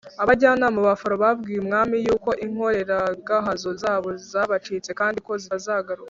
abajyanama ba farawo babwiye umwami yuko inkoreragahazo zabo zabacitse kandi ko zitazagaruka.